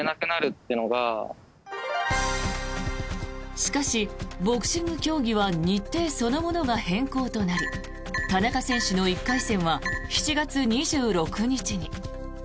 しかし、ボクシング競技は日程そのものが変更となり田中選手の１回戦は７月２６日に。